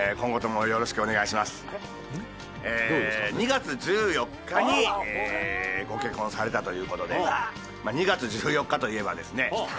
２月１４日にご結婚されたという事で２月１４日といえばですね